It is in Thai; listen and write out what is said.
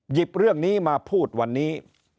หยิบเรื่องนี้มาพูดวันนี้